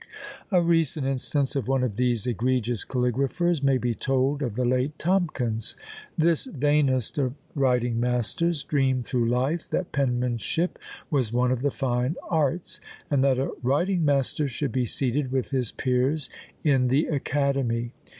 A recent instance of one of these egregious caligraphers may be told of the late Tomkins. This vainest of writing masters dreamed through life that penmanship was one of the fine arts, and that a writing master should be seated with his peers in the Academy!